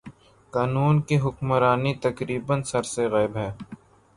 قانون کی حکمرانی تقریبا سر ے سے غائب ہے۔